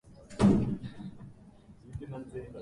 アストゥリアス県の県都はオビエドである